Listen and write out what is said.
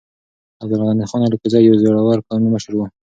عبدالغني خان الکوزی يو زړور قومي مشر و.